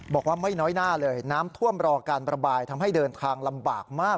บอกว่าไม่น้อยหน้าเลยน้ำท่วมรอการระบายทำให้เดินทางลำบากมาก